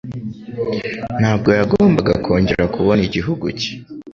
Ntabwo yagombaga kongera kubona igihugu cye.